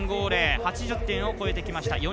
８０点を超えてきました。